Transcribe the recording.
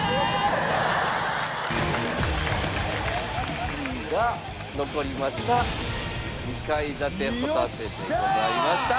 １位が残りました二階建てほたてでございました！